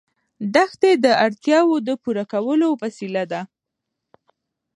دښتې د اړتیاوو د پوره کولو وسیله ده.